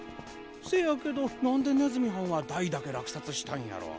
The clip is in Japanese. せやけどなんでねずみはんは大だけらくさつしたんやろ？